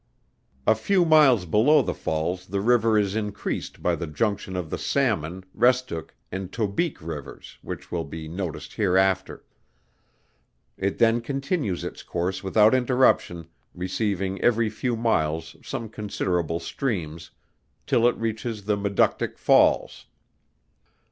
A few miles below the falls the river is increased by the junction of the Salmon, Restook, and Tobique rivers, which will be noticed hereafter. It then continues its course without interruption, receiving every few miles some considerable streams, till it reaches the Maductic Falls.